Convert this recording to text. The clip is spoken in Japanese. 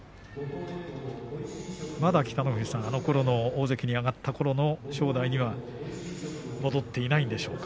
まだ北の富士さん、あのころの大関に上がったころの正代には戻っていないんでしょうか。